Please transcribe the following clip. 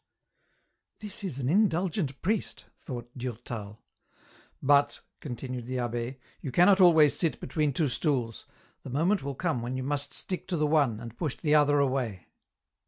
" This is an indulgent priest," thought Durtal. " But," continued the abb^, you cannot always sit between two stools, the moment will come when you must stick to the one, and push the other away."